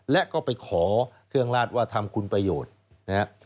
และก็ไปขอเครื่องราชว่าทำคุณประโยชน์นะครับ